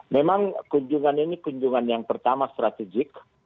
memang kunjungan ini kunjungan yang pertama strategik